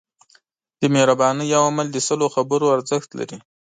د مهربانۍ یو عمل د سلو خبرو ارزښت لري.